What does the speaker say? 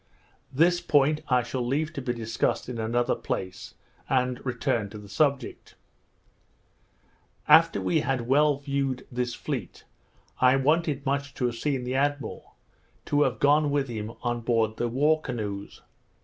This point I shall leave to be discussed in another place, and return to the subject. After we had well viewed this fleet, I wanted much to have seen the admiral, to have gone with him on board the war canoes.